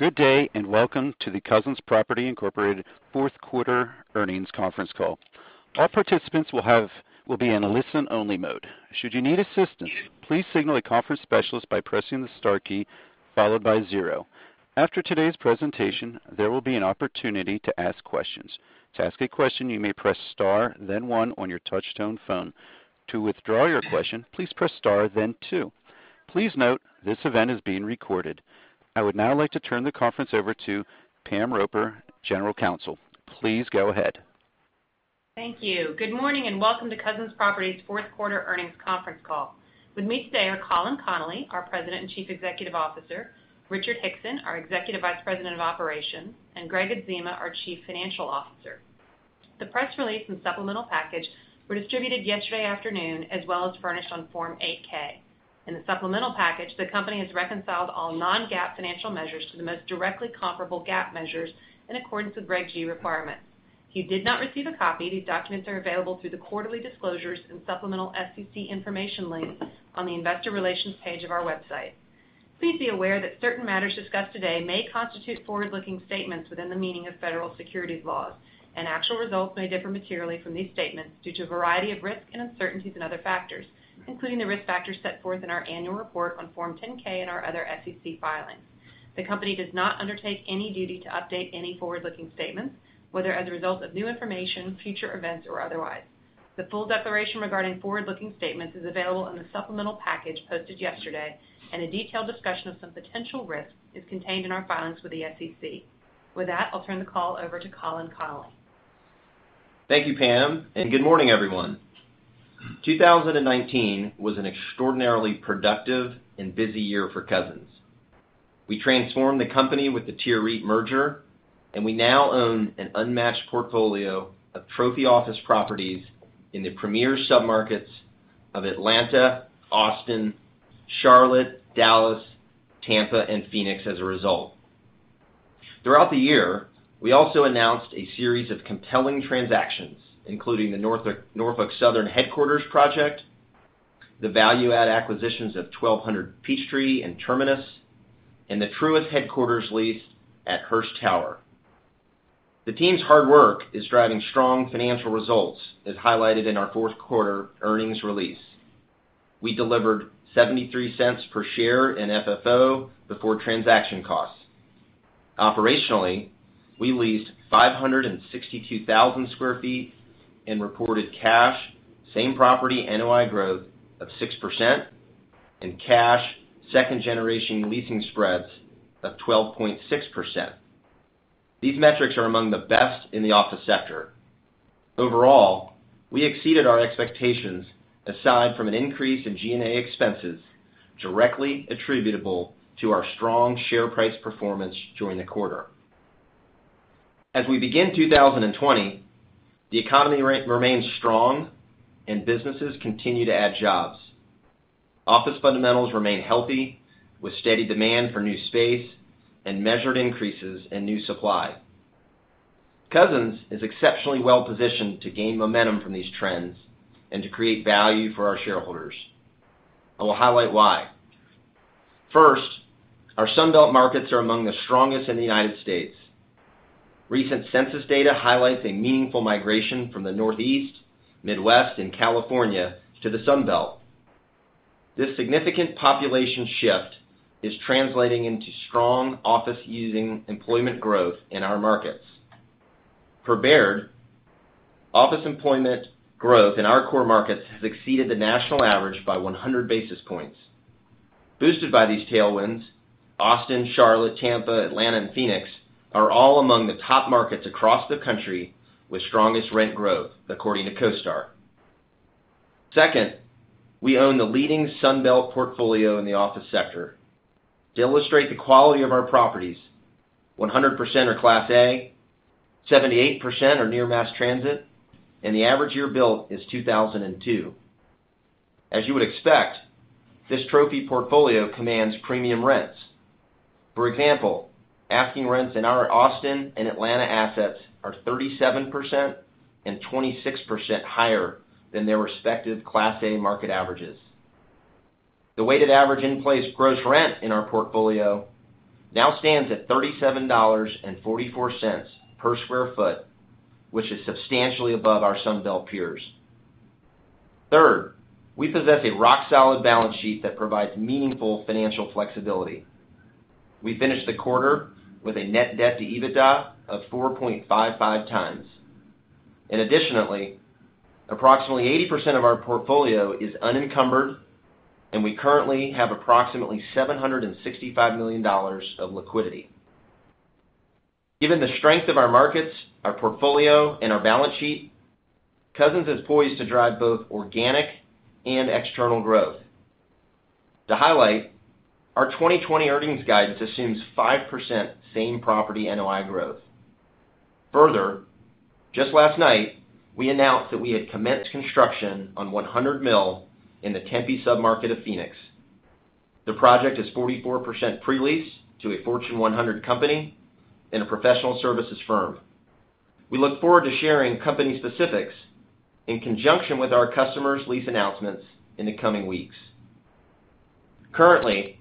Good day. Welcome to the Cousins Properties Incorporated Fourth Quarter Earnings Conference Call. All participants will be in a listen-only mode. Should you need assistance, please signal a conference specialist by pressing the star key, followed by zero. After today's presentation, there will be an opportunity to ask questions. To ask a question, you may press star then one on your touch-tone phone. To withdraw your question, please press star then two. Please note, this event is being recorded. I would now like to turn the conference over to Pam Roper, General Counsel. Please go ahead. Thank you. Good morning, and welcome to Cousins Properties' Fourth Quarter Earnings Conference Call. With me today are Colin Connolly, our President and Chief Executive Officer, Richard Hickson, our Executive Vice President of Operations, and Gregg Adzema, our Chief Financial Officer. The press release and supplemental package were distributed yesterday afternoon as well as furnished on Form 8-K. In the supplemental package, the company has reconciled all non-GAAP financial measures to the most directly comparable GAAP measures in accordance with Reg G requirements. If you did not receive a copy, these documents are available through the quarterly disclosures and supplemental SEC information link on the investor relations page of our website. Please be aware that certain matters discussed today may constitute forward-looking statements within the meaning of federal securities laws. Actual results may differ materially from these statements due to a variety of risks and uncertainties and other factors, including the risk factors set forth in our annual report on Form 10-K and our other SEC filings. The company does not undertake any duty to update any forward-looking statements, whether as a result of new information, future events, or otherwise. The full declaration regarding forward-looking statements is available in the supplemental package posted yesterday, and a detailed discussion of some potential risks is contained in our filings with the SEC. With that, I'll turn the call over to Colin Connolly. Thank you, Pam, and good morning, everyone. 2019 was an extraordinarily productive and busy year for Cousins. We transformed the company with the TIER REIT merger, and we now own an unmatched portfolio of trophy office properties in the premier submarkets of Atlanta, Austin, Charlotte, Dallas, Tampa, and Phoenix as a result. Throughout the year, we also announced a series of compelling transactions, including the Norfolk Southern headquarters project, the value-add acquisitions of 1200 Peachtree and Terminus, and the Truist headquarters lease at Hearst Tower. The team's hard work is driving strong financial results, as highlighted in our fourth quarter earnings release. We delivered $0.73 per share in FFO before transaction costs. Operationally, we leased 562,000 sq ft in reported cash, same property NOI growth of 6%, and cash second-generation leasing spreads of 12.6%. These metrics are among the best in the office sector. Overall, we exceeded our expectations, aside from an increase in G&A expenses directly attributable to our strong share price performance during the quarter. As we begin 2020, the economy remains strong and businesses continue to add jobs. Office fundamentals remain healthy, with steady demand for new space and measured increases in new supply. Cousins is exceptionally well-positioned to gain momentum from these trends and to create value for our shareholders. I will highlight why. First, our Sun Belt markets are among the strongest in the United States. Recent census data highlights a meaningful migration from the Northeast, Midwest, and California to the Sun Belt. This significant population shift is translating into strong office using employment growth in our markets. For Baird, office employment growth in our core markets has exceeded the national average by 100 basis points. Boosted by these tailwinds, Austin, Charlotte, Tampa, Atlanta, and Phoenix are all among the top markets across the country with strongest rent growth, according to CoStar. Second, we own the leading Sun Belt portfolio in the office sector. To illustrate the quality of our properties, 100% are Class A, 78% are near mass transit, and the average year built is 2002. As you would expect, this trophy portfolio commands premium rents. For example, asking rents in our Austin and Atlanta assets are 37% and 26% higher than their respective Class A market averages. The weighted average in-place gross rent in our portfolio now stands at $37.44 per sq ft, which is substantially above our Sun Belt peers. Third, we possess a rock-solid balance sheet that provides meaningful financial flexibility. We finished the quarter with a net debt to EBITDA of 4.55x. Additionally, approximately 80% of our portfolio is unencumbered, and we currently have approximately $765 million of liquidity. Given the strength of our markets, our portfolio, and our balance sheet, Cousins is poised to drive both organic and external growth. To highlight, our 2020 earnings guidance assumes 5% same property NOI growth. Further, just last night, we announced that we had commenced construction on 100 Mill in the Tempe submarket of Phoenix. The project is 44% pre-leased to a Fortune 100 company and a professional services firm. We look forward to sharing company specifics in conjunction with our customers' lease announcements in the coming weeks. Currently,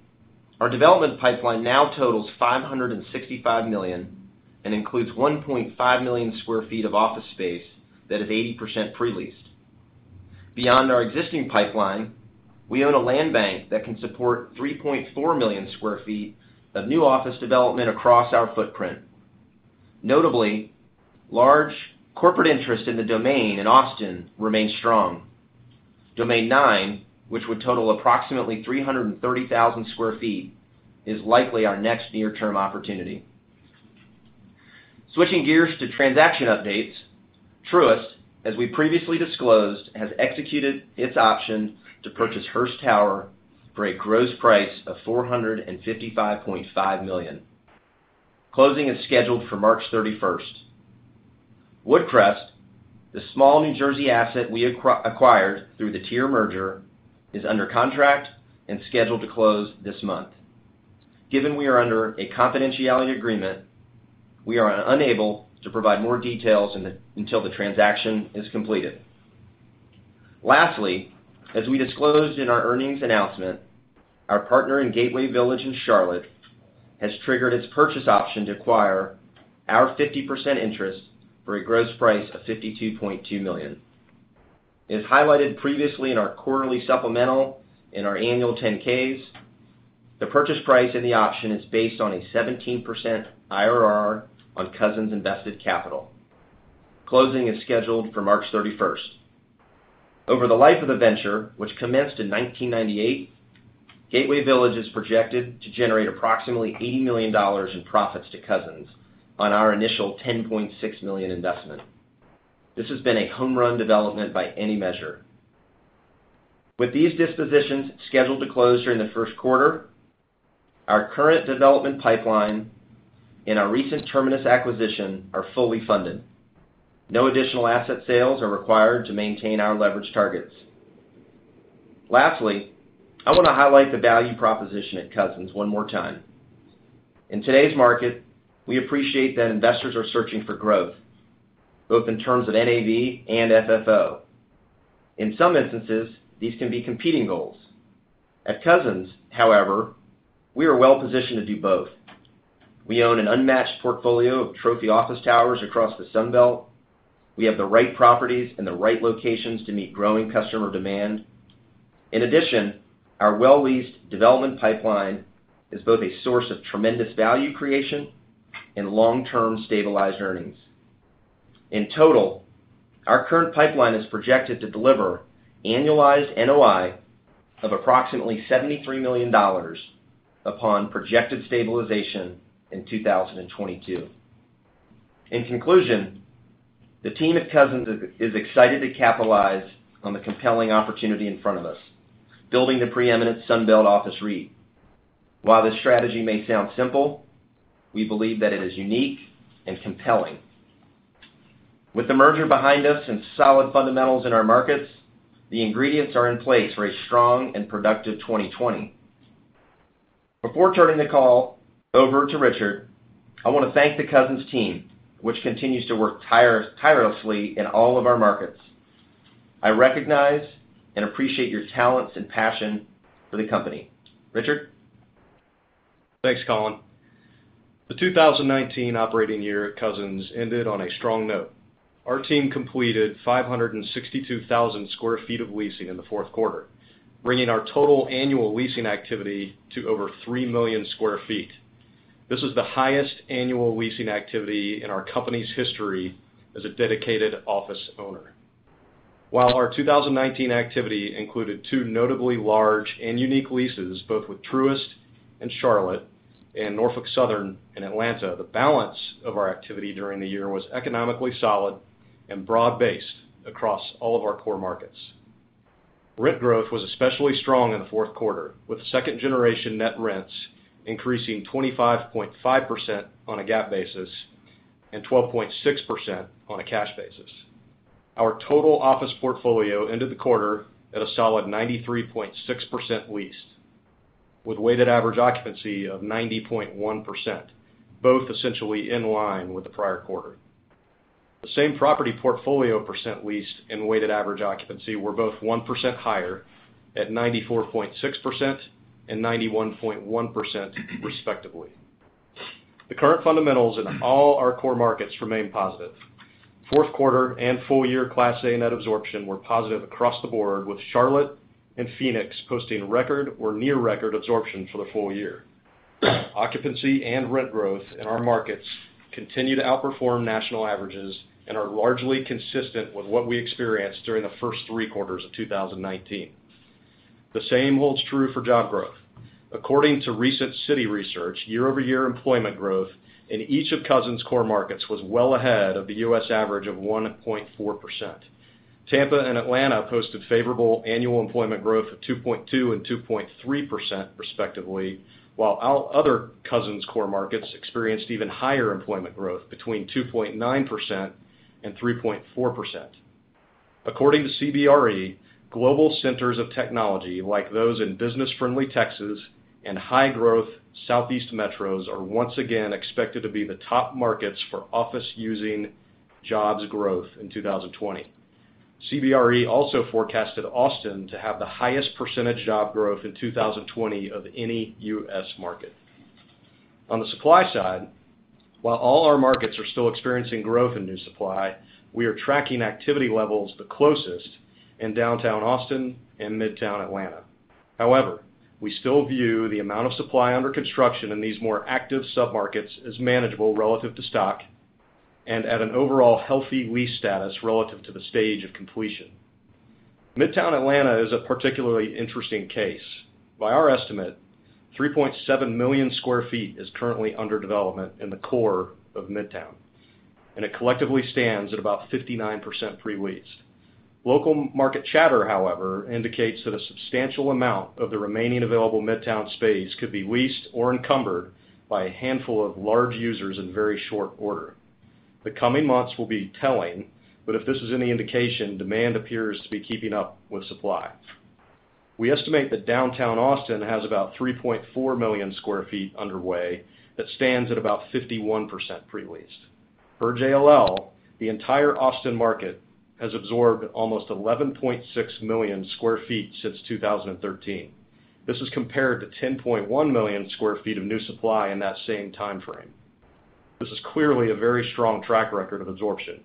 our development pipeline now totals $565 million and includes 1.5 million square feet of office space that is 80% pre-leased. Beyond our existing pipeline, we own a land bank that can support 3.4 million square feet of new office development across our footprint. Notably, large corporate interest in The Domain in Austin remains strong. Domain 9, which would total approximately 330,000 sq ft, is likely our next near-term opportunity. Switching gears to transaction updates, Truist, as we previously disclosed, has executed its option to purchase Hearst Tower for a gross price of $455.5 million. Closing is scheduled for March 31st. Woodcrest, the small New Jersey asset we acquired through the TIER merger, is under contract and scheduled to close this month. Given we are under a confidentiality agreement, we are unable to provide more details until the transaction is completed. Lastly, as we disclosed in our earnings announcement, our partner in Gateway Village in Charlotte has triggered its purchase option to acquire our 50% interest for a gross price of $52.2 million. As highlighted previously in our quarterly supplemental and our annual 10-Ks, the purchase price and the option is based on a 17% IRR on Cousins' invested capital. Closing is scheduled for March 31st. Over the life of the venture, which commenced in 1998, Gateway Village is projected to generate approximately $80 million in profits to Cousins on our initial $10.6 million investment. This has been a home-run development by any measure. With these dispositions scheduled to close during the first quarter, our current development pipeline and our recent Terminus acquisition are fully funded. No additional asset sales are required to maintain our leverage targets. Lastly, I want to highlight the value proposition at Cousins one more time. In today's market, we appreciate that investors are searching for growth, both in terms of NAV and FFO. In some instances, these can be competing goals. At Cousins, however, we are well-positioned to do both. We own an unmatched portfolio of trophy office towers across the Sun Belt. We have the right properties and the right locations to meet growing customer demand. In addition, our well-leased development pipeline is both a source of tremendous value creation and long-term stabilized earnings. In total, our current pipeline is projected to deliver annualized NOI of approximately $73 million upon projected stabilization in 2022. In conclusion, the team at Cousins is excited to capitalize on the compelling opportunity in front of us, building the preeminent Sun Belt office REIT. While this strategy may sound simple, we believe that it is unique and compelling. With the merger behind us and solid fundamentals in our markets, the ingredients are in place for a strong and productive 2020. Before turning the call over to Richard, I want to thank the Cousins team, which continues to work tirelessly in all of our markets. I recognize and appreciate your talents and passion for the company. Richard? Thanks, Colin. The 2019 operating year at Cousins ended on a strong note. Our team completed 562,000 sq ft of leasing in the fourth quarter, bringing our total annual leasing activity to over 3 million square feet. This is the highest annual leasing activity in our company's history as a dedicated office owner. While our 2019 activity included two notably large and unique leases, both with Truist in Charlotte and Norfolk Southern in Atlanta, the balance of our activity during the year was economically solid and broad-based across all of our core markets. Rent growth was especially strong in the fourth quarter, with second-generation net rents increasing 25.5% on a GAAP basis and 12.6% on a cash basis. Our total office portfolio ended the quarter at a solid 93.6% leased, with weighted average occupancy of 90.1%, both essentially in line with the prior quarter. The same property portfolio percent leased and weighted average occupancy were both 1% higher at 94.6% and 91.1%, respectively. The current fundamentals in all our core markets remain positive. Fourth quarter and full-year Class A net absorption were positive across the board, with Charlotte and Phoenix posting record or near-record absorption for the full year. Occupancy and rent growth in our markets continue to outperform national averages and are largely consistent with what we experienced during the first three quarters of 2019. The same holds true for job growth. According to recent Citi Research, year-over-year employment growth in each of Cousins' core markets was well ahead of the U.S. average of 1.4%. Tampa and Atlanta posted favorable annual employment growth of 2.2% and 2.3% respectively, while our other Cousins core markets experienced even higher employment growth, between 2.9% and 3.4%. According to CBRE, global centers of technology like those in business-friendly Texas and high-growth Southeast metros are once again expected to be the top markets for office using jobs growth in 2020. CBRE also forecasted Austin to have the highest percentage job growth in 2020 of any U.S. market. On the supply side, while all our markets are still experiencing growth in new supply, we are tracking activity levels the closest in downtown Austin and Midtown Atlanta. However, we still view the amount of supply under construction in these more active submarkets as manageable relative to stock, and at an overall healthy lease status relative to the stage of completion. Midtown Atlanta is a particularly interesting case. By our estimate, 3.7 million square feet is currently under development in the core of Midtown. It collectively stands at about 59% pre-leased. Local market chatter, however, indicates that a substantial amount of the remaining available Midtown space could be leased or encumbered by a handful of large users in very short order. The coming months will be telling. If this is any indication, demand appears to be keeping up with supply. We estimate that downtown Austin has about 3.4 million square feet underway that stands at about 51% pre-leased. Per JLL, the entire Austin market has absorbed almost 11.6 million square feet since 2013. This is compared to 10.1 million square feet of new supply in that same timeframe. This is clearly a very strong track record of absorption.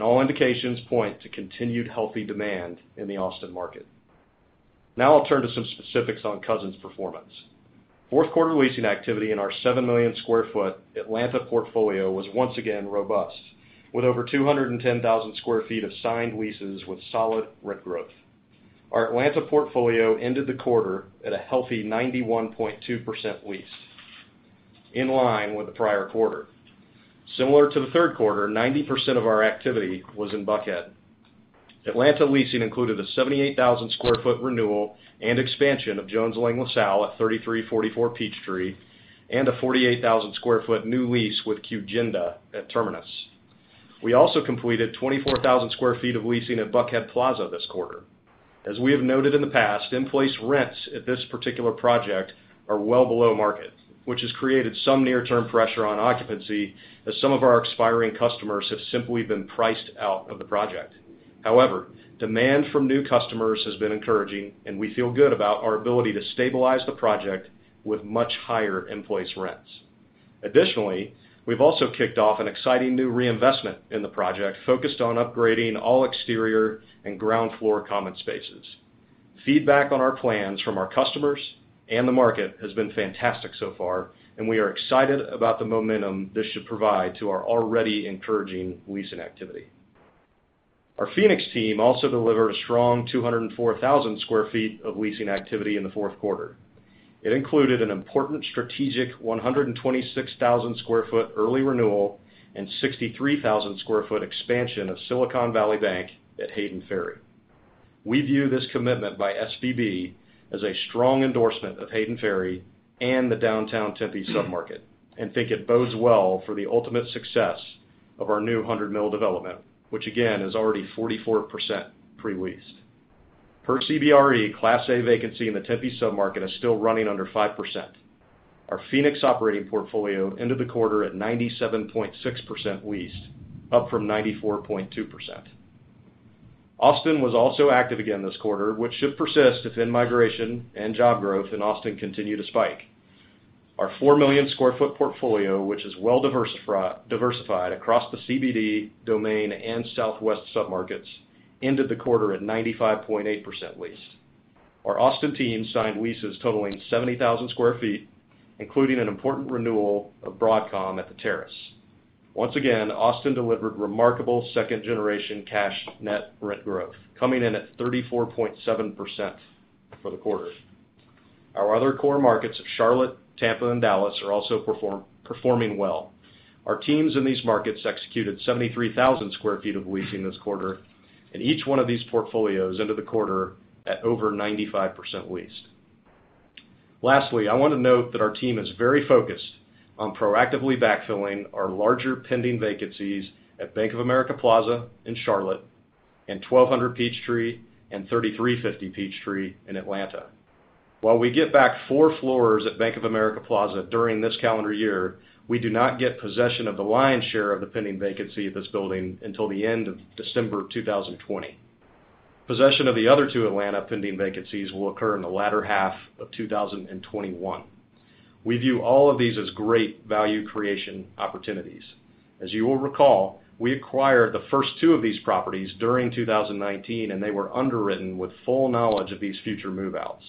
All indications point to continued healthy demand in the Austin market. Now I'll turn to some specifics on Cousins' performance. Fourth quarter leasing activity in our 7 million square foot Atlanta portfolio was once again robust, with over 210,000 sq ft of signed leases with solid rent growth. Our Atlanta portfolio ended the quarter at a healthy 91.2% leased, in line with the prior quarter. Similar to the third quarter, 90% of our activity was in Buckhead. Atlanta leasing included a 78,000 sq ft renewal and expansion of Jones Lang LaSalle at 3344 Peachtree and a 48,000 sq ft new lease with QGenda at Terminus. We also completed 24,000 sq ft of leasing at Buckhead Plaza this quarter. As we have noted in the past, in-place rents at this particular project are well below market, which has created some near-term pressure on occupancy as some of our expiring customers have simply been priced out of the project. However, demand from new customers has been encouraging, and we feel good about our ability to stabilize the project with much higher in-place rents. Additionally, we've also kicked off an exciting new reinvestment in the project focused on upgrading all exterior and ground floor common spaces. Feedback on our plans from our customers and the market has been fantastic so far, and we are excited about the momentum this should provide to our already encouraging leasing activity. Our Phoenix team also delivered a strong 204,000 sq ft of leasing activity in the fourth quarter. It included an important strategic 126,000 sq ft early renewal and 63,000 sq ft expansion of Silicon Valley Bank at Hayden Ferry. We view this commitment by SVB as a strong endorsement of Hayden Ferry and the downtown Tempe submarket and think it bodes well for the ultimate success of our new 100 Mill development, which again is already 44% pre-leased. Per CBRE, Class A vacancy in the Tempe submarket is still running under 5%. Our Phoenix operating portfolio ended the quarter at 97.6% leased, up from 94.2%. Austin was also active again this quarter, which should persist if in-migration and job growth in Austin continue to spike. Our 4 million square foot portfolio, which is well diversified across the CBD, Domain, and Southwest submarkets, ended the quarter at 95.8% leased. Our Austin team signed leases totaling 70,000 sq ft, including an important renewal of Broadcom at The Terrace. Once again, Austin delivered remarkable second generation cash net rent growth, coming in at 34.7% for the quarter. Our other core markets of Charlotte, Tampa, and Dallas are also performing well. Our teams in these markets executed 73,000 sq ft of leasing this quarter, and each one of these portfolios ended the quarter at over 95% leased. Lastly, I want to note that our team is very focused on proactively backfilling our larger pending vacancies at Bank of America Plaza in Charlotte and 1200 Peachtree and 3350 Peachtree in Atlanta. While we get back four floors at Bank of America Plaza during this calendar year, we do not get possession of the lion's share of the pending vacancy at this building until the end of December 2020. Possession of the other two Atlanta pending vacancies will occur in the latter half of 2021. We view all of these as great value creation opportunities. As you will recall, we acquired the first two of these properties during 2019. They were underwritten with full knowledge of these future move-outs.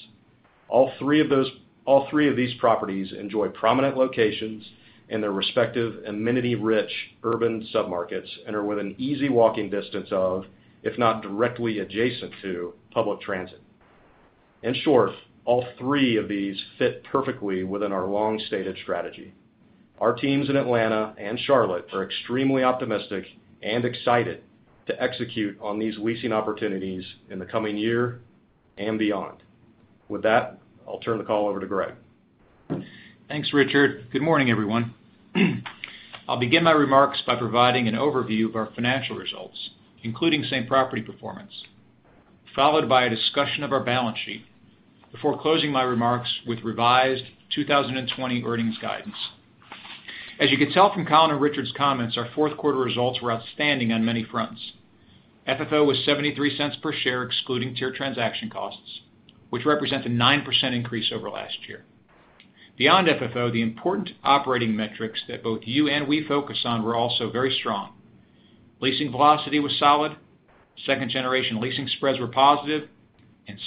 All three of these properties enjoy prominent locations in their respective amenity-rich urban submarkets and are within easy walking distance of, if not directly adjacent to, public transit. In short, all three of these fit perfectly within our long-stated strategy. Our teams in Atlanta and Charlotte are extremely optimistic and excited to execute on these leasing opportunities in the coming year and beyond. With that, I'll turn the call over to Gregg Thanks, Richard. Good morning, everyone. I'll begin my remarks by providing an overview of our financial results, including same property performance, followed by a discussion of our balance sheet, before closing my remarks with revised 2020 earnings guidance. As you can tell from Colin and Richard's comments, our fourth quarter results were outstanding on many fronts. FFO was $0.73 per share, excluding TIER transaction costs, which represent a 9% increase over last year. Beyond FFO, the important operating metrics that both you and we focus on were also very strong. Leasing velocity was solid. Second-generation leasing spreads were positive.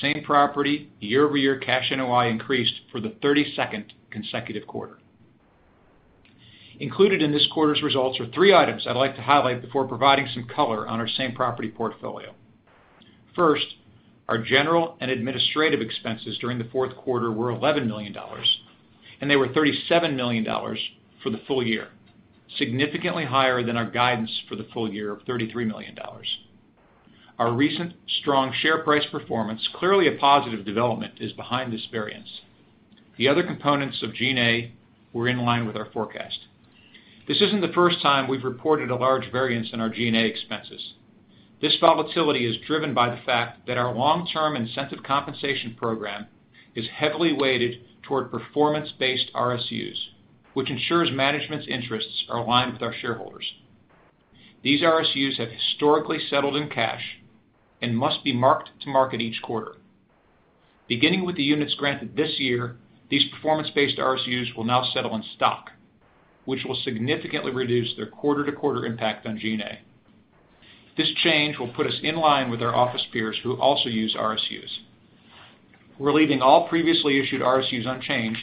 Same property, year-over-year cash NOI increased for the 32nd consecutive quarter. Included in this quarter's results are three items I'd like to highlight before providing some color on our same property portfolio. First, our general and administrative expenses during the fourth quarter were $11 million, and they were $37 million for the full year, significantly higher than our guidance for the full year of $33 million. Our recent strong share price performance, clearly a positive development, is behind this variance. The other components of G&A were in line with our forecast. This isn't the first time we've reported a large variance in our G&A expenses. This volatility is driven by the fact that our long-term incentive compensation program is heavily weighted toward performance-based RSUs, which ensures management's interests are aligned with our shareholders. These RSUs have historically settled in cash and must be marked to market each quarter. Beginning with the units granted this year, these performance-based RSUs will now settle in stock, which will significantly reduce their quarter-to-quarter impact on G&A. This change will put us in line with our office peers who also use RSUs. We're leaving all previously issued RSUs unchanged,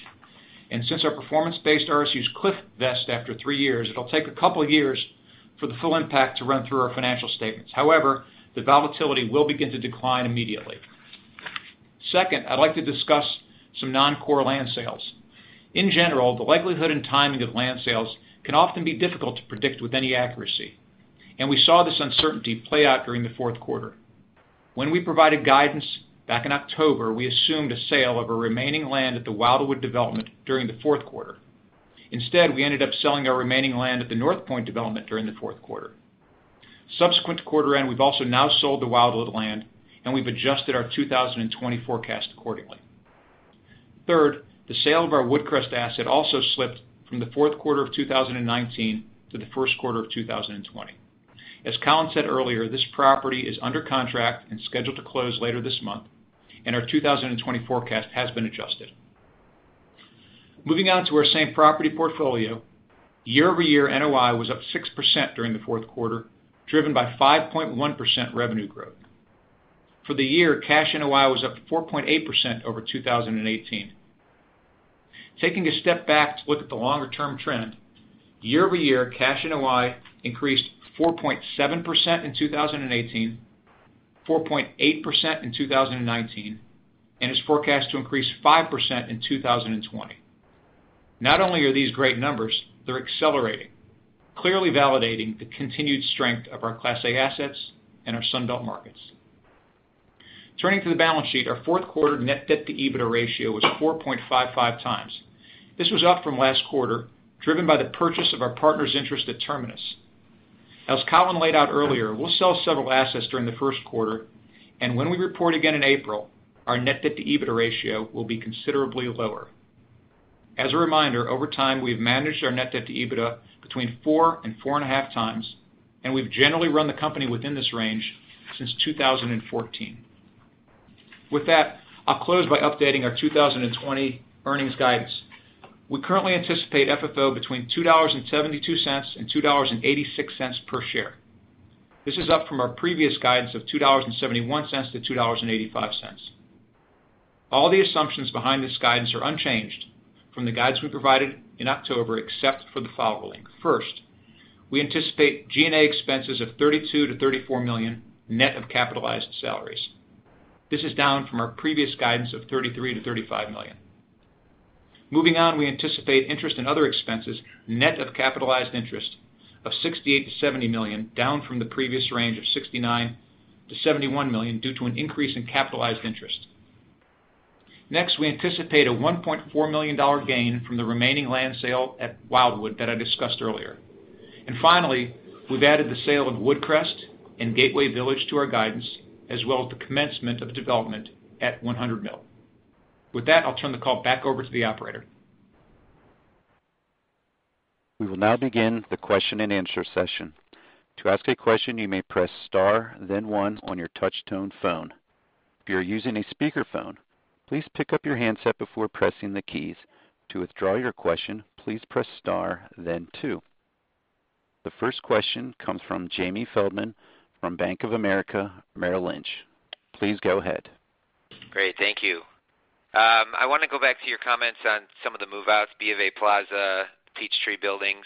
and since our performance-based RSUs cliff vest after three years, it'll take a couple of years for the full impact to run through our financial statements. However, the volatility will begin to decline immediately. Second, I'd like to discuss some non-core land sales. In general, the likelihood and timing of land sales can often be difficult to predict with any accuracy, and we saw this uncertainty play out during the fourth quarter. When we provided guidance back in October, we assumed a sale of a remaining land at the Wildwood development during the fourth quarter. Instead, we ended up selling our remaining land at the Northpark development during the fourth quarter. Subsequent to quarter end, we've also now sold the Wildwood land, and we've adjusted our 2020 forecast accordingly. Third, the sale of our Woodcrest asset also slipped from the fourth quarter of 2019 to the first quarter of 2020. As Colin said earlier, this property is under contract and scheduled to close later this month, and our 2020 forecast has been adjusted. Moving on to our same property portfolio. Year-over-year NOI was up 6% during the fourth quarter, driven by 5.1% revenue growth. For the year, cash NOI was up 4.8% over 2018. Taking a step back to look at the longer-term trend, year-over-year cash NOI increased 4.7% in 2018, 4.8% in 2019, and is forecast to increase 5% in 2020. Not only are these great numbers, they're accelerating, clearly validating the continued strength of our Class A assets and our Sun Belt markets. Turning to the balance sheet, our fourth quarter net debt to EBITDA ratio was 4.55x. This was up from last quarter, driven by the purchase of our partner's interest at Terminus. As Colin laid out earlier, we'll sell several assets during the first quarter, and when we report again in April, our net debt to EBITDA ratio will be considerably lower. As a reminder, over time, we have managed our net debt to EBITDA between 4 and 4.5x, and we've generally run the company within this range since 2014. With that, I'll close by updating our 2020 earnings guidance. We currently anticipate FFO between $2.72 and $2.86 per share. This is up from our previous guidance of $2.71-$2.85. All the assumptions behind this guidance are unchanged from the guides we provided in October, except for the following. First, we anticipate G&A expenses of $32 million-$34 million, net of capitalized salaries. This is down from our previous guidance of $33 million-$35 million. Moving on, we anticipate interest and other expenses, net of capitalized interest, of $68 million-$70 million, down from the previous range of $69 million-$71 million due to an increase in capitalized interest. Next, we anticipate a $1.4 million gain from the remaining land sale at Wildwood that I discussed earlier. Finally, we've added the sale of Woodcrest and Gateway Village to our guidance, as well as the commencement of development at 100 Mill. With that, I'll turn the call back over to the operator. We will now begin the question-and-answer session. To ask a question, you may press star then one on your touch-tone phone. If you are using a speakerphone, please pick up your handset before pressing the keys. To withdraw your question, please press star then two. The first question comes from Jamie Feldman from Bank of America Merrill Lynch. Please go ahead. Great. Thank you. I want to go back to your comments on some of the move-outs, BofA Plaza, Peachtree buildings.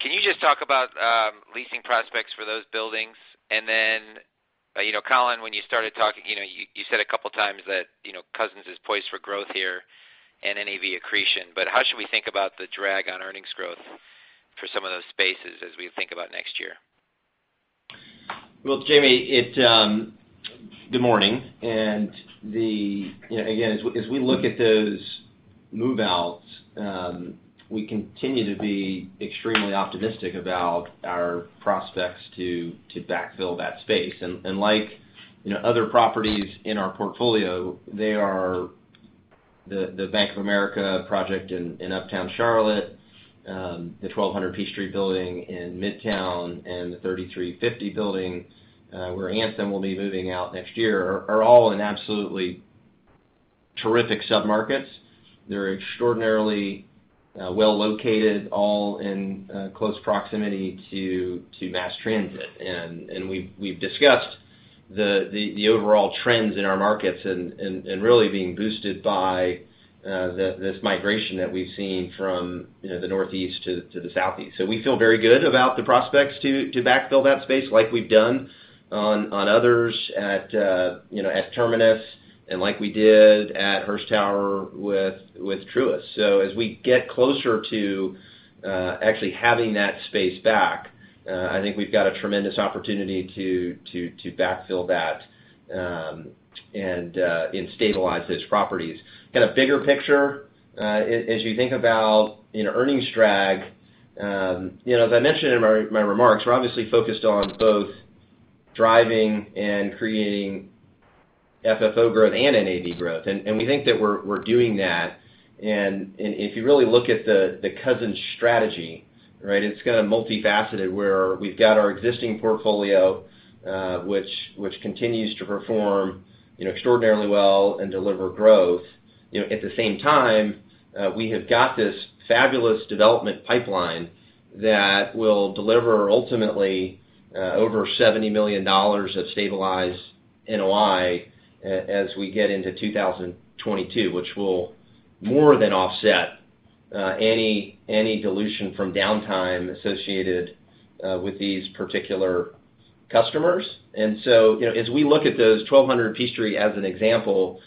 Can you just talk about leasing prospects for those buildings? Then, Colin, when you started talking, you said a couple of times that Cousins is poised for growth here and NAV accretion, but how should we think about the drag on earnings growth for some of those spaces as we think about next year? Well, Jamie, good morning. Again, as we look at those move-outs, we continue to be extremely optimistic about our prospects to backfill that space. Like other properties in our portfolio, they are the Bank of America project in Uptown Charlotte, the 1200 Peachtree building in Midtown, and the 3350 building, where Anthem will be moving out next year, are all in absolutely terrific sub-markets. They're extraordinarily well located, all in close proximity to mass transit. We've discussed the overall trends in our markets and really being boosted by this migration that we've seen from the Northeast to the Southeast. We feel very good about the prospects to backfill that space like we've done on others at Terminus and like we did at Hearst Tower with Truist. As we get closer to actually having that space back, I think we've got a tremendous opportunity to backfill that and stabilize those properties. Kind of bigger picture, as you think about earnings drag, as I mentioned in my remarks, we're obviously focused on both driving and creating FFO growth and NAV growth. We think that we're doing that. If you really look at the Cousins strategy, it's kind of multifaceted, where we've got our existing portfolio, which continues to perform extraordinarily well and deliver growth. At the same time, we have got this fabulous development pipeline that will deliver ultimately over $70 million of stabilized NOI as we get into 2022, which will more than offset any dilution from downtime associated with these particular customers. As we look at those 1200 Peachtree as an example,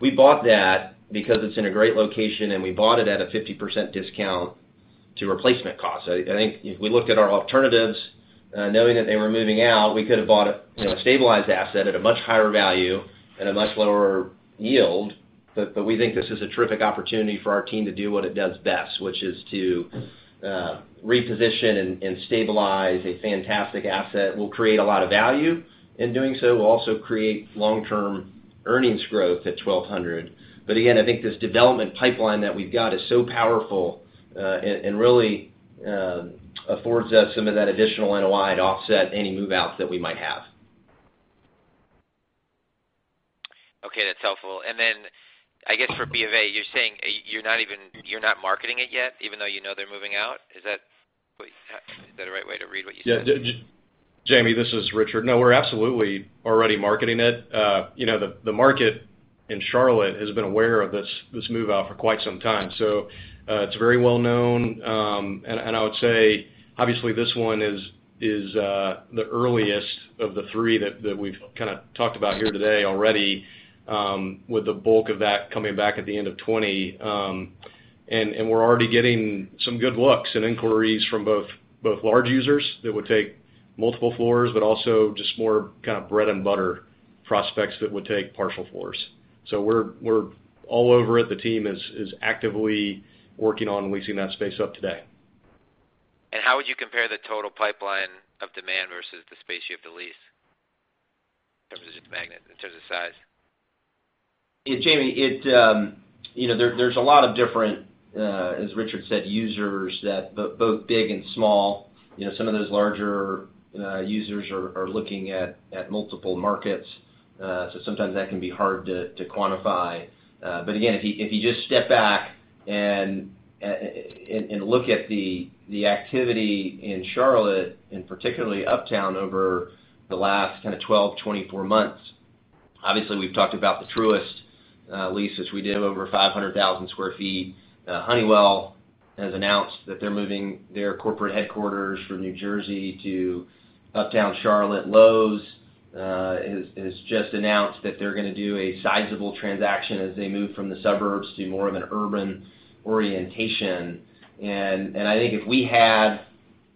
we bought that because it's in a great location, and we bought it at a 50% discount to replacement costs. I think if we looked at our alternatives, knowing that they were moving out, we could have bought a stabilized asset at a much higher value and a much lower yield. We think this is a terrific opportunity for our team to do what it does best, which is to reposition and stabilize a fantastic asset. We'll create a lot of value. In doing so, we'll also create long-term earnings growth at 1200. Again, I think this development pipeline that we've got is so powerful and really affords us some of that additional NOI to offset any move-outs that we might have. Okay, that's helpful. I guess for BofA, you're saying you're not marketing it yet, even though you know they're moving out? Is that the right way to read what you said? Yeah. Jamie, this is Richard. No, we're absolutely already marketing it. The market in Charlotte has been aware of this move-out for quite some time. It's very well-known. I would say, obviously, this one is the earliest of the three that we've kind of talked about here today already, with the bulk of that coming back at the end of 2020. We're already getting some good looks and inquiries from both large users that would take multiple floors, but also just more kind of bread-and-butter prospects that would take partial floors. We're all over it. The team is actively working on leasing that space up today. How would you compare the total pipeline of demand versus the space you have to lease in terms of magnet, in terms of size? Jamie, there's a lot of different, as Richard said, users, both big and small. Some of those larger users are looking at multiple markets. Sometimes that can be hard to quantify. Again, if you just step back and look at the activity in Charlotte, and particularly Uptown, over the last kind of 12, 24 months, obviously, we've talked about the Truist leases. We did over 500,000 sq ft. Honeywell has announced that they're moving their corporate headquarters from New Jersey to Uptown Charlotte. Lowe's has just announced that they're going to do a sizable transaction as they move from the suburbs to more of an urban orientation. I think if we had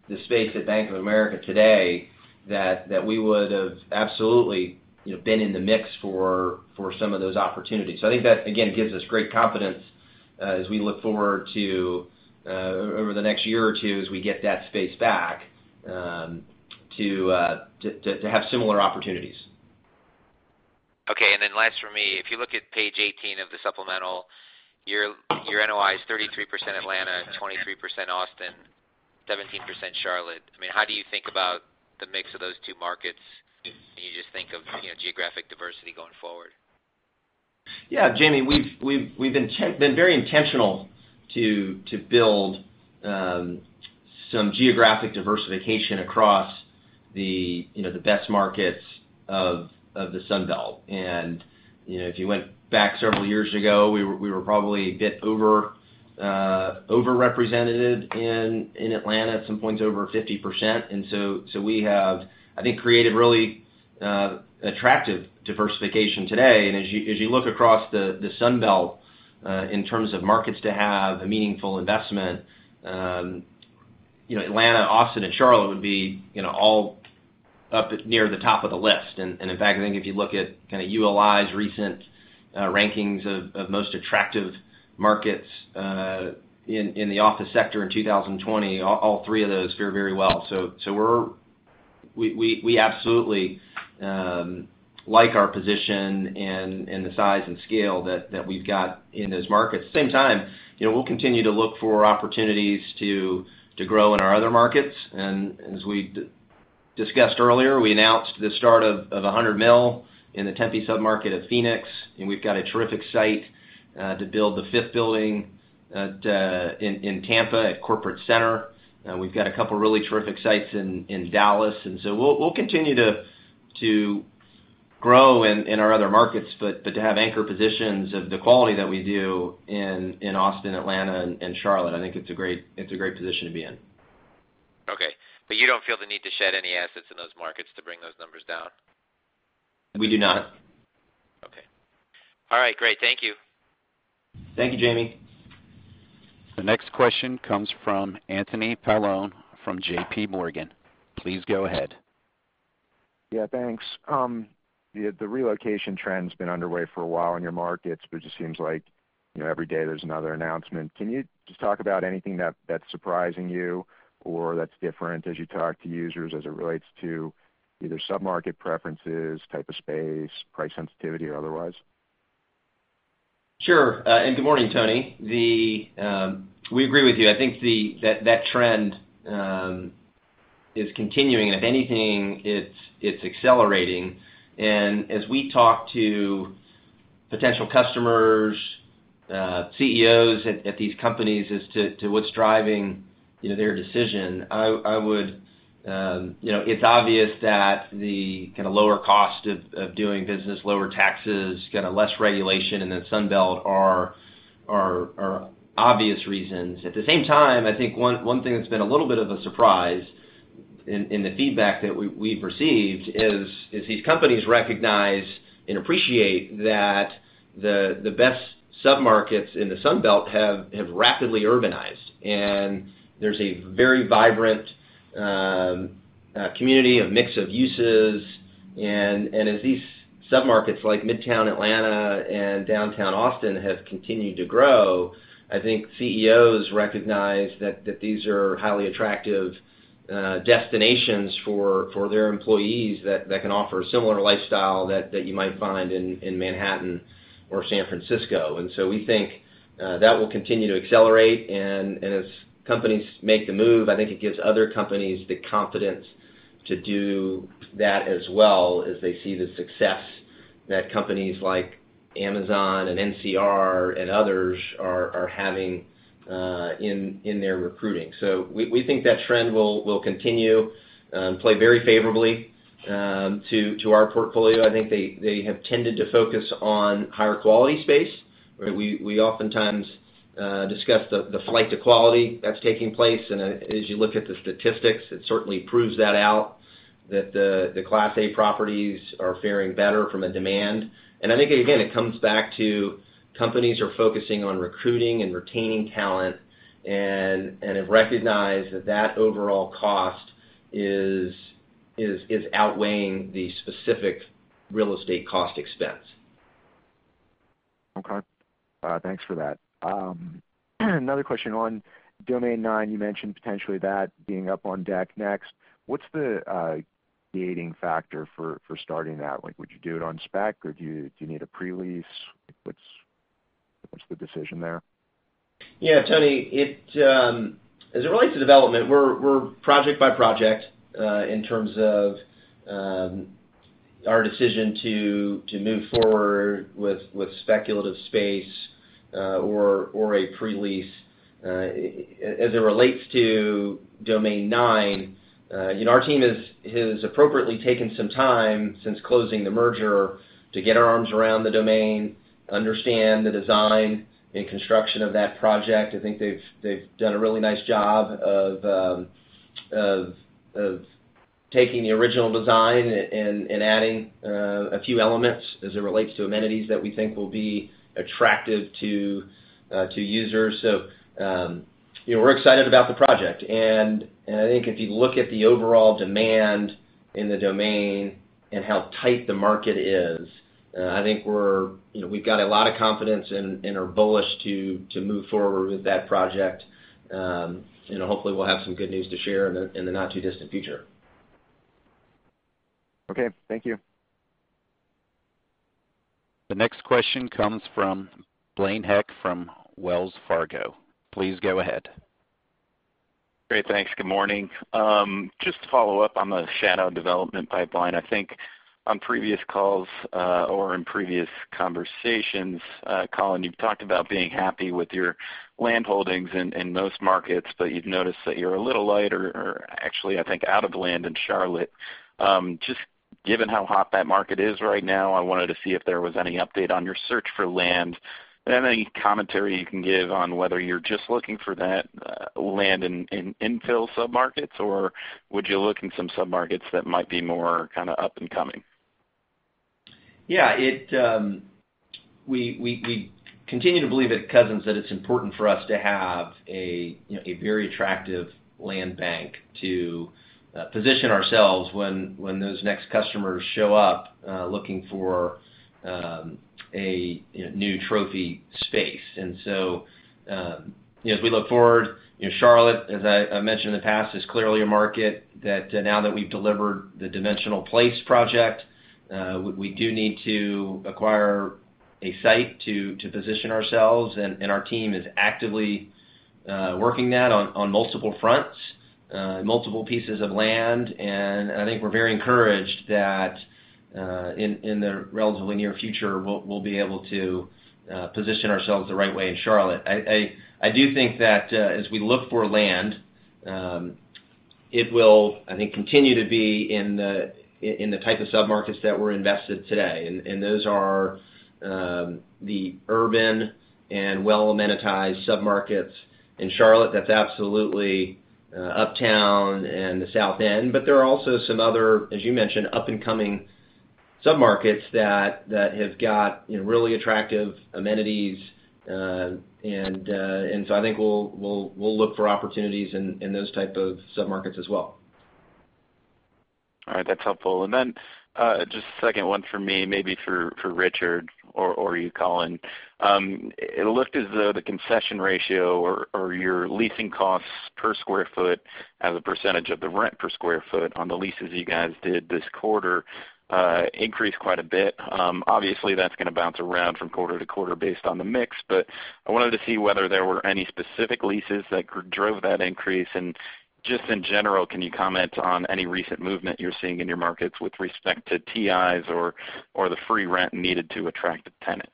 the space at Bank of America today, that we would have absolutely been in the mix for some of those opportunities. I think that, again, gives us great confidence as we look forward to over the next year or two, as we get that space back, to have similar opportunities. Okay, last for me, if you look at page 18 of the supplemental, your NOI is 33% Atlanta, 23% Austin, 17% Charlotte. How do you think about the mix of those two markets when you just think of geographic diversity going forward? Yeah, Jamie, we've been very intentional to build some geographic diversification across the best markets of the Sun Belt. If you went back several years ago, we were probably a bit over-represented in Atlanta, at some points over 50%. So we have, I think, created really-attractive diversification today. As you look across the Sun Belt, in terms of markets to have a meaningful investment, Atlanta, Austin, and Charlotte would be all up near the top of the list. In fact, I think if you look at ULI's recent rankings of most attractive markets in the office sector in 2020, all three of those fare very well. We absolutely like our position and the size and scale that we've got in those markets. At the same time, we'll continue to look for opportunities to grow in our other markets. As we discussed earlier, we announced the start of 100 Mill in the Tempe sub-market of Phoenix, and we've got a terrific site to build the fifth building in Tampa at Corporate Center. We've got a couple really terrific sites in Dallas. We'll continue to grow in our other markets. To have anchor positions of the quality that we do in Austin, Atlanta, and Charlotte, I think it's a great position to be in. Okay. You don't feel the need to shed any assets in those markets to bring those numbers down? We do not. Okay. All right. Great. Thank you. Thank you, Jamie. The next question comes from Anthony Paolone from JPMorgan. Please go ahead. Yeah, thanks. The relocation trend's been underway for a while in your markets, but it just seems like every day there's another announcement. Can you just talk about anything that's surprising you or that's different as you talk to users as it relates to either sub-market preferences, type of space, price sensitivity, or otherwise? Sure. Good morning, Tony. We agree with you. I think that trend is continuing, and if anything, it's accelerating. As we talk to potential customers, CEOs at these companies as to what's driving their decision, it's obvious that the kind of lower cost of doing business, lower taxes, less regulation in the Sun Belt are obvious reasons. At the same time, I think one thing that's been a little bit of a surprise in the feedback that we've received is these companies recognize and appreciate that the best sub-markets in the Sun Belt have rapidly urbanized. There's a very vibrant community, a mix of uses, and as these sub-markets like Midtown Atlanta and Downtown Austin have continued to grow, I think CEOs recognize that these are highly attractive destinations for their employees that can offer a similar lifestyle that you might find in Manhattan or San Francisco. We think that will continue to accelerate. As companies make the move, I think it gives other companies the confidence to do that as well as they see the success that companies like Amazon and NCR and others are having in their recruiting. We think that trend will continue and play very favorably to our portfolio. I think they have tended to focus on higher-quality space, where we oftentimes discuss the flight to quality that's taking place. As you look at the statistics, it certainly proves that out, that the Class A properties are faring better from a demand. I think, again, it comes back to companies are focusing on recruiting and retaining talent and have recognized that that overall cost is outweighing the specific real estate cost expense. Okay. Thanks for that. Another question. On Domain 9, you mentioned potentially that being up on deck next. What's the gating factor for starting that? Would you do it on spec, or do you need a pre-lease? What's the decision there? Yeah, Tony, as it relates to development, we're project by project, in terms of our decision to move forward with speculative space or a pre-lease. As it relates to Domain 9, our team has appropriately taken some time since closing the merger to get our arms around The Domain, understand the design and construction of that project. I think they've done a really nice job of taking the original design and adding a few elements as it relates to amenities that we think will be attractive to users. We're excited about the project. I think if you look at the overall demand in The Domain and how tight the market is, I think we've got a lot of confidence and are bullish to move forward with that project. Hopefully, we'll have some good news to share in the not-too-distant future. Okay. Thank you. The next question comes from Blaine Heck from Wells Fargo. Please go ahead. Great. Thanks. Good morning. Just to follow up on the shadow development pipeline, I think on previous calls, or in previous conversations, Colin, you've talked about being happy with your land holdings in most markets, but you've noticed that you're a little light or actually, I think, out of land in Charlotte. Just given how hot that market is right now, I wanted to see if there was any update on your search for land. Any commentary you can give on whether you're just looking for that land in infill sub-markets, or would you look in some sub-markets that might be more kind of up and coming? Yeah. We continue to believe at Cousins that it's important for us to have a very attractive land bank to position ourselves when those next customers show up looking for a new trophy space. As we look forward, Charlotte, as I mentioned in the past, is clearly a market that now that we've delivered the Dimensional Place project, we do need to acquire a site to position ourselves, and our team is actively working that on multiple fronts, multiple pieces of land, and I think we're very encouraged that in the relatively near future, we'll be able to position ourselves the right way in Charlotte. I do think that as we look for land, it will, I think, continue to be in the type of sub-markets that we're invested today. Those are the urban and well-amenitized sub-markets in Charlotte. That's absolutely Uptown and the South End. There are also some other, as you mentioned, up-and-coming sub-markets that have got really attractive amenities, and so I think we'll look for opportunities in those type of sub-markets as well. All right. That's helpful. Then, just a second one for me, maybe for Richard or you, Colin. It looked as though the concession ratio or your leasing costs per square foot as a percentage of the rent per square foot on the leases you guys did this quarter increased quite a bit. Obviously, that's going to bounce around from quarter to quarter based on the mix, but I wanted to see whether there were any specific leases that drove that increase. Just in general, can you comment on any recent movement you're seeing in your markets with respect to TIs or the free rent needed to attract a tenant?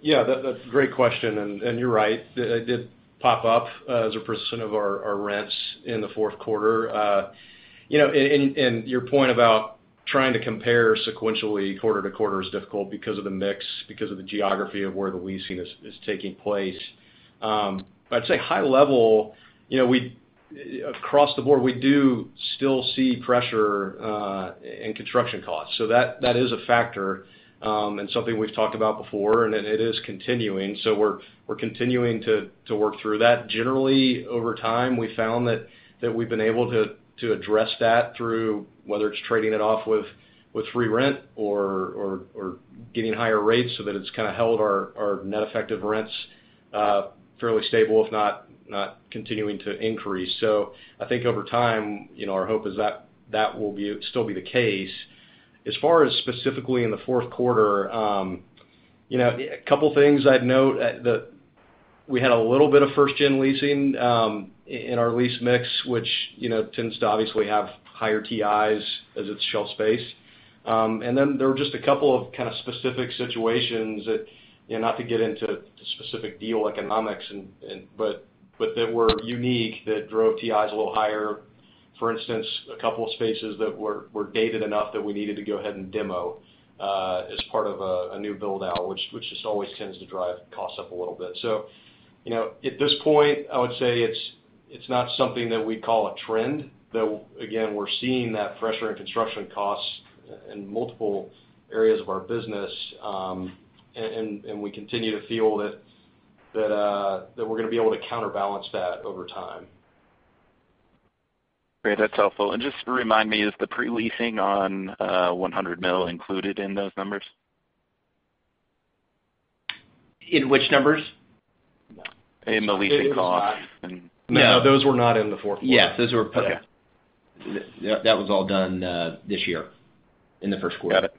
Yeah, that's a great question, and you're right. It did pop up as a percent of our rents in the fourth quarter. Your point about trying to compare sequentially quarter to quarter is difficult because of the mix, because of the geography of where the leasing is taking place. I'd say high level, across the board, we do still see pressure in construction costs. That is a factor and something we've talked about before, and it is continuing. We're continuing to work through that. Generally, over time, we've found that we've been able to address that through whether it's trading it off with free rent or getting higher rates so that it's kind of held our net effective rents fairly stable, if not continuing to increase. I think over time, our hope is that that will still be the case. As far as specifically in the fourth quarter, a couple of things I'd note, we had a little bit of first-gen leasing in our lease mix, which tends to obviously have higher TIs as it's shell space. There were just a couple of kind of specific situations that, not to get into specific deal economics but that were unique that drove TIs a little higher. For instance, a couple of spaces that were dated enough that we needed to go ahead and demo as part of a new build-out, which just always tends to drive costs up a little bit. At this point, I would say it's not something that we'd call a trend, though, again, we're seeing that pressure in construction costs in multiple areas of our business, and we continue to feel that we're going to be able to counterbalance that over time. Great. That's helpful. Just remind me, is the pre-leasing on 100 Mill included in those numbers? In which numbers? In the leasing costs and- No, those were not in the fourth quarter. Yes, those were put out. That was all done this year in the first quarter. Got it.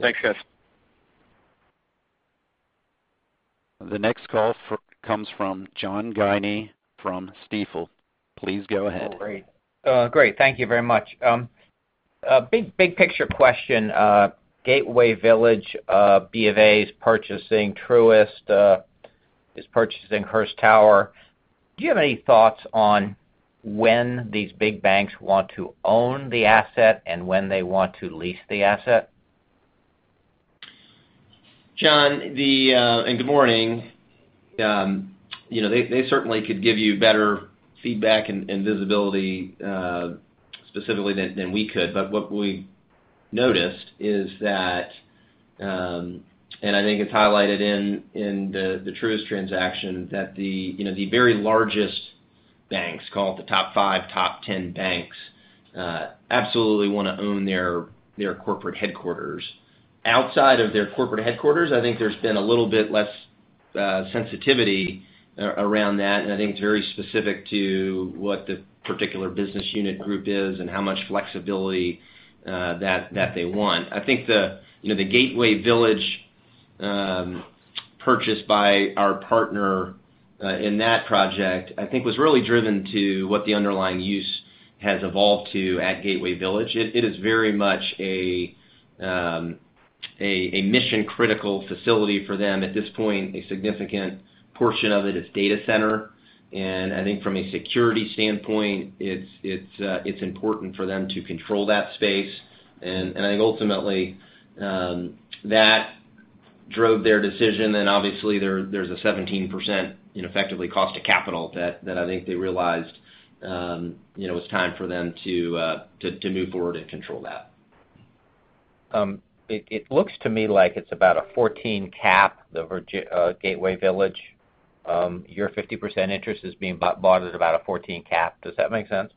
Thanks, guys. The next call comes from John Guinee from Stifel. Please go ahead. All right. Great. Thank you very much. Big picture question. Gateway Village, BofA's purchasing, Truist is purchasing Hearst Tower. Do you have any thoughts on when these big banks want to own the asset and when they want to lease the asset? John, good morning. They certainly could give you better feedback and visibility specifically than we could. What we noticed is that, and I think it's highlighted in the Truist transaction, that the very largest banks, call it the top five, top 10 banks, absolutely want to own their corporate headquarters. Outside of their corporate headquarters, I think there's been a little bit less sensitivity around that, and I think it's very specific to what the particular business unit group is and how much flexibility that they want. I think the Gateway Village purchase by our partner in that project, I think was really driven to what the underlying use has evolved to at Gateway Village. It is very much a mission-critical facility for them. At this point, a significant portion of it is data center. I think from a security standpoint, it's important for them to control that space. I think ultimately, that drove their decision. Obviously, there's a 17%, effectively, cost of capital that I think they realized it was time for them to move forward and control that. It looks to me like it's about a 14 cap, the Gateway Village. Your 50% interest is being bought at about a 14 cap. Does that make sense?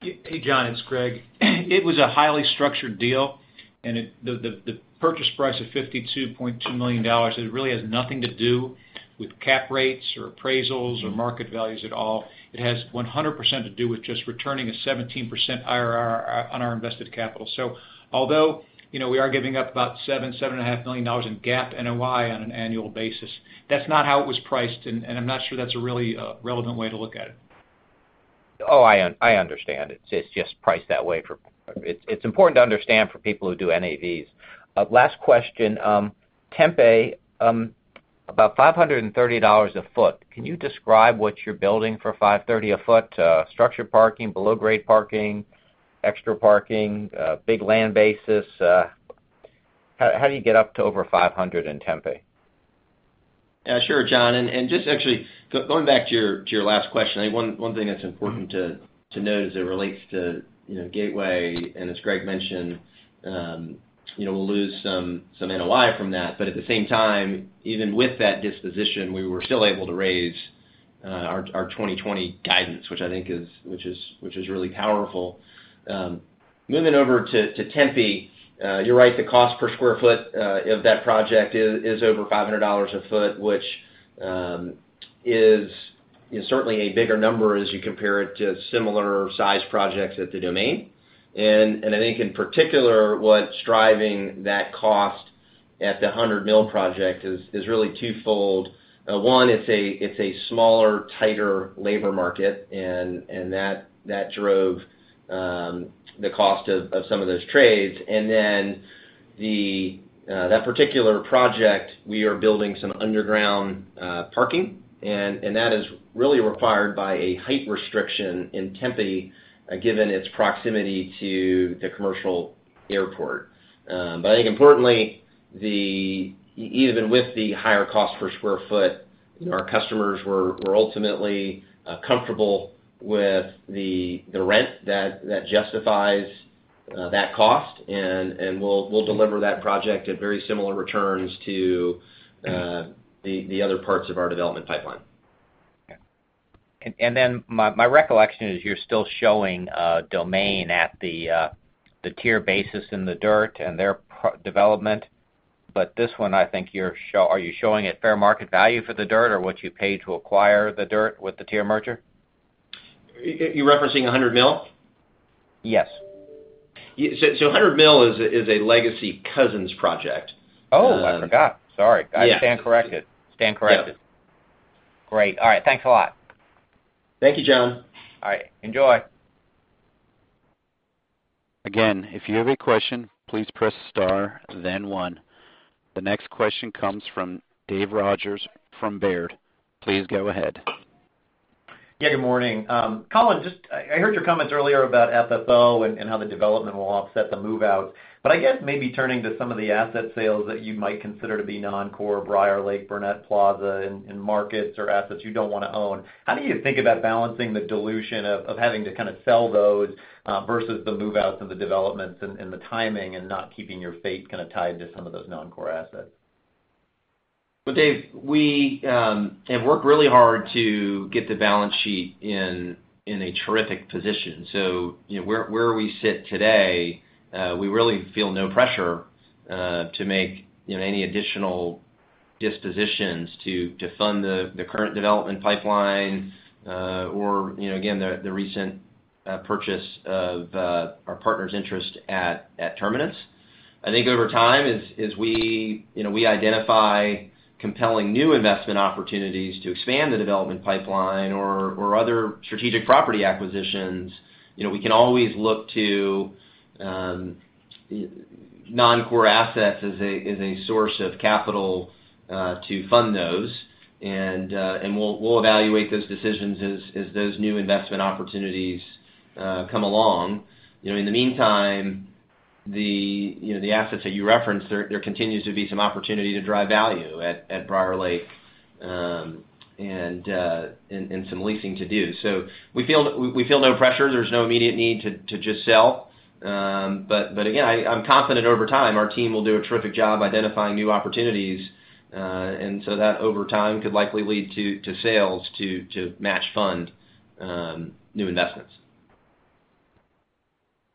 Hey, John, it's Gregg. It was a highly structured deal, and the purchase price of $52.2 million, it really has nothing to do with cap rates or appraisals or market values at all. It has 100% to do with just returning a 17% IRR on our invested capital. Although we are giving up about $7 million, $7.5 million in GAAP NOI on an annual basis, that's not how it was priced, and I'm not sure that's a really relevant way to look at it. I understand. It's just priced that way. It's important to understand for people who do NAVs. Last question. Tempe, about $530 a foot. Can you describe what you're building for $530 a foot? Structured parking, below-grade parking, extra parking, big land bases? How do you get up to over $500 in Tempe? Yeah, sure, John. Just actually, going back to your last question, I think one thing that's important to note as it relates to Gateway, and as Gregg mentioned, we'll lose some NOI from that. At the same time, even with that disposition, we were still able to raise our 2020 guidance, which I think is really powerful. Moving over to Tempe. You're right, the cost per square foot of that project is over $500 a foot, which is certainly a bigger number as you compare it to similar-sized projects at The Domain. I think in particular, what's driving that cost at the 100 Mill project is really twofold. One, it's a smaller, tighter labor market, and that drove the cost of some of those trades. Then, that particular project, we are building some underground parking, and that is really required by a height restriction in Tempe, given its proximity to the commercial airport. I think importantly, even with the higher cost per square foot, our customers were ultimately comfortable with the rent that justifies that cost. We'll deliver that project at very similar returns to the other parts of our development pipeline. My recollection is you're still showing Domain at the TIER basis in the dirt and their development. This one, are you showing it fair market value for the dirt, or what you paid to acquire the dirt with the TIER merger? Are you referencing 100 Mill? Yes. 100 Mill is a legacy Cousins' project. Oh, I forgot. Sorry. I stand corrected. Yeah. Great. All right. Thanks a lot. Thank you, John. All right. Enjoy. Again, if you have a question, please press star then one. The next question comes from Dave Rodgers from Baird. Please go ahead. Yeah, good morning. Colin, I heard your comments earlier about FFO and how the development will offset the move-out. I guess maybe turning to some of the asset sales that you might consider to be non-core, BriarLake, Burnett Plaza, and markets or assets you don't want to own. How do you think about balancing the dilution of having to kind of sell those, versus the move-outs of the developments and the timing and not keeping your fate kind of tied to some of those non-core assets? Well, Dave, we have worked really hard to get the balance sheet in a terrific position. Where we sit today, we really feel no pressure to make any additional dispositions to fund the current development pipeline, or again, the recent purchase of our partner's interest at Terminus. I think over time, as we identify compelling new investment opportunities to expand the development pipeline or other strategic property acquisitions, we can always look to non-core assets as a source of capital to fund those. We'll evaluate those decisions as those new investment opportunities come along. In the meantime, the assets that you referenced, there continues to be some opportunity to drive value at BriarLake, and some leasing to do. We feel no pressure. There's no immediate need to just sell. Again, I'm confident over time, our team will do a terrific job identifying new opportunities. That, over time, could likely lead to sales to match fund new investments.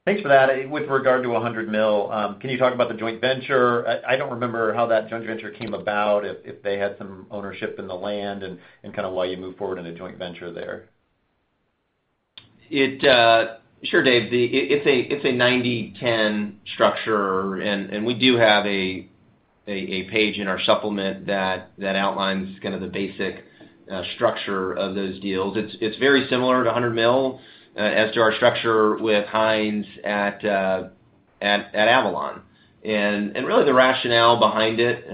Thanks for that. With regard to 100 Mill, can you talk about the joint venture? I don't remember how that joint venture came about, if they had some ownership in the land, and kind of why you moved forward in a joint venture there. Sure, Dave. It's a 90/10 structure, and we do have a page in our supplement that outlines kind of the basic structure of those deals. It's very similar to 100 Mill as to our structure with Hines at Avalon. Really, the rationale behind it,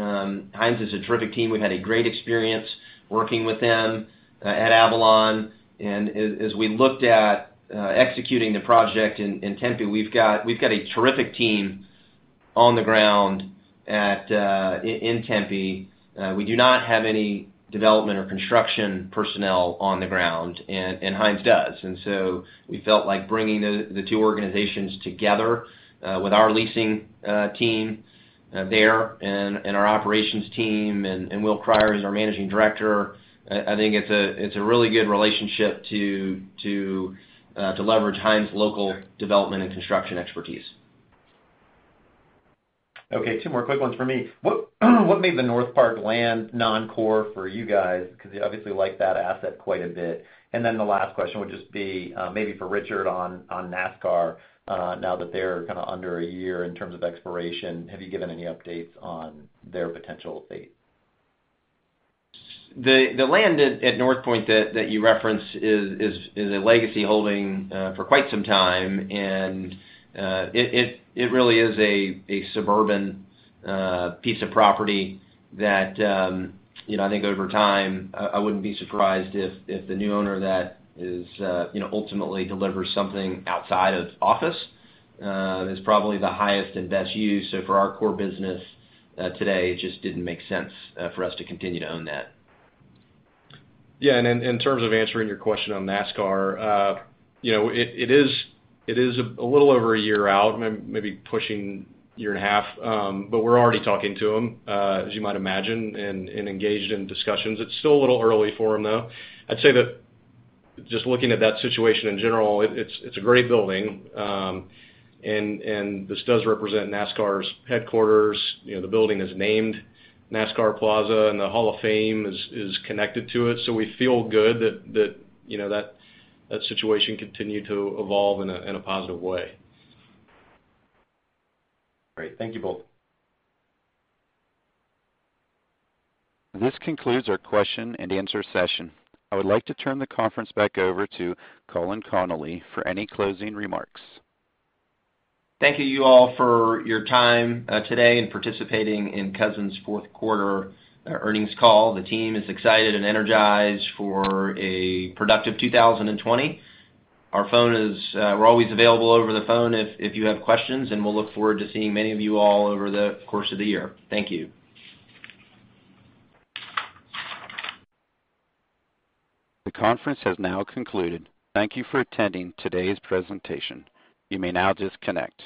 Hines is a terrific team. We've had a great experience working with them at Avalon. As we looked at executing the project in Tempe, we've got a terrific team on the ground in Tempe. We do not have any development or construction personnel on the ground, and Hines does. So we felt like bringing the two organizations together with our leasing team there and our operations team and Will Creyer as our Managing Director, I think it's a really good relationship to leverage Hines local development and construction expertise. Okay. Two more quick ones from me. What made the Northpark land non-core for you guys? You obviously like that asset quite a bit. The last question would just be, maybe for Richard on NASCAR, now that they're kind of under a year in terms of expiration, have you given any updates on their potential fate? The land at Northpark that you referenced is a legacy holding for quite some time, and it really is a suburban piece of property that I think over time, I wouldn't be surprised if the new owner of that ultimately delivers something outside of office. It's probably the highest and best use, so for our core business today, it just didn't make sense for us to continue to own that. Yeah, in terms of answering your question on NASCAR, it is a little over a year out, maybe pushing a year and a half. We're already talking to them, as you might imagine, and engaged in discussions. It's still a little early for them, though. I'd say that just looking at that situation in general, it's a great building. This does represent NASCAR's headquarters. The building is named NASCAR Plaza, and the Hall of Fame is connected to it. We feel good that that situation continued to evolve in a positive way. Great. Thank you both. This concludes our question-and-answer session. I would like to turn the conference back over to Colin Connolly for any closing remarks. Thank you all for your time today in participating in Cousins' fourth quarter earnings call. The team is excited and energized for a productive 2020. We're always available over the phone if you have questions, and we'll look forward to seeing many of you all over the course of the year. Thank you. The conference has now concluded. Thank you for attending today's presentation. You may now disconnect.